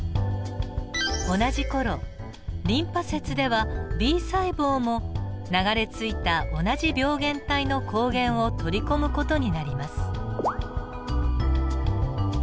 同じ頃リンパ節ではＢ細胞も流れ着いた同じ病原体の抗原を取り込む事になります。